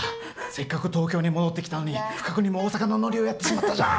せっかく東京に戻ってきたのに、不覚にも大阪のノリをやってしまったじゃん。